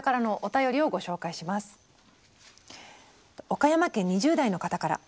岡山県２０代の方から。